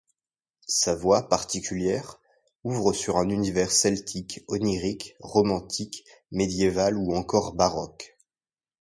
Sa voix particulière ouvre sur un univers celtique, onirique, romantique, médiéval ou encore baroque.